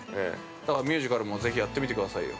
だからミュージカルもぜひ、やってみてくださいよ。